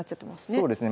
そうですね。